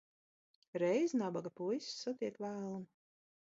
Reiz nabaga puisis satiek velnu.